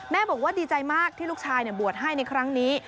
บอกว่าดีใจมากที่ลูกชายบวชให้ในครั้งนี้